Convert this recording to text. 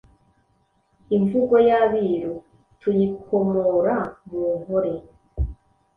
Imvugo y’”Abiru “tuyikomora mu Nkole